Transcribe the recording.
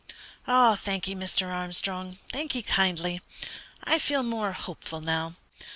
"Thankee, Mr. Armstrong, thankee kindly; I feel more hopeful now.